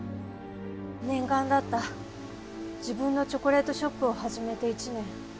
念願だった自分のチョコレートショップを始めて一年。